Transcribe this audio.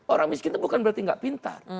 orang miskin itu bukan berarti nggak pintar